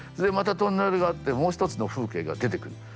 またトンネルがあってもう一つの風景が出てくる。